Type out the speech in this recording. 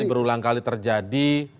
ini berulang kali terjadi